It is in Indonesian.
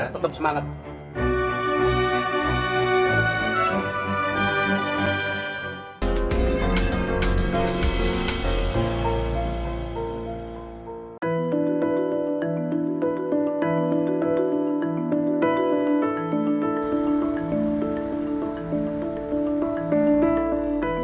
tetap semangat ya